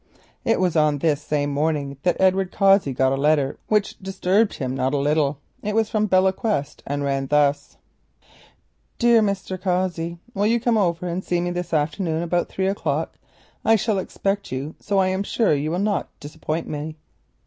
It was on this same morning that Edward Cossey got a letter which disturbed him not a little. It was from Belle Quest, and ran thus: "Dear Mr. Cossey,—Will you come over and see me this afternoon about three o'clock? I shall expect you, so I am sure you will not disappoint me.